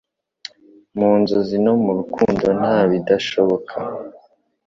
Mu nzozi no mu rukundo nta bidashoboka.”